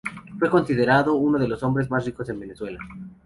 Fue considerado uno de los hombres más ricos en Venezuela.